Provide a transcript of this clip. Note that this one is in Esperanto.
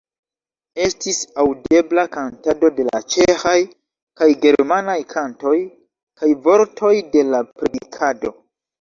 Estis aŭdebla kantado de ĉeĥaj kaj germanaj kantoj kaj vortoj de la predikado.